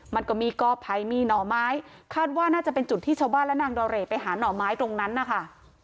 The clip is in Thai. มันก็มีกอภัยมีหน่อไม้คาดว่าน่าจะเป็นจุดที่ชาวบ้านและนางดอเรย์ไปหาหน่อไม้ตรงนั้นนะคะ